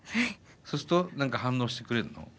そうすると何か反応してくれるの？